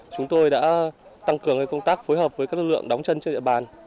chúng tôi đã tăng cường công tác phối hợp với các lực lượng đóng chân trên địa bàn